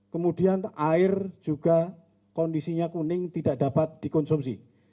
kemudian air juga kondisinya kuning tidak dapat dikonsumsi